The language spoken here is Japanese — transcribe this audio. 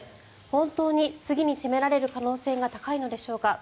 本当に次に攻められる可能性が高いのでしょうか。